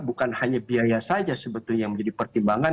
bukan hanya biaya saja sebetulnya yang menjadi pertimbangan